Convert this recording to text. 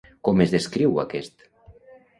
Com es descriu aquest?